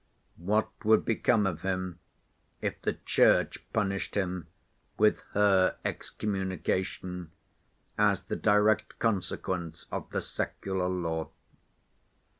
What would become of him if the Church punished him with her excommunication as the direct consequence of the secular law?